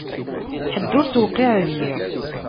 Ḥedd ur t-tewqiε deg-i.